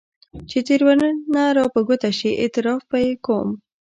چې تېروتنه راپه ګوته شي، اعتراف به يې کوم.